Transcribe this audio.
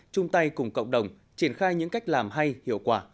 chung tay cùng cộng đồng triển khai những cách làm hay hiệu quả